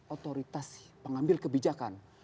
otoritas pengambil kebijakan